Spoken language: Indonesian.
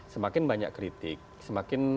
semakin banyak kritik semakin